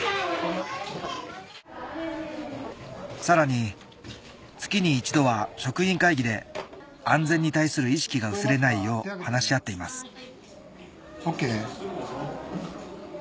さらに月に１度は職員会議で安全に対する意識が薄れないよう話し合っていますＯＫ？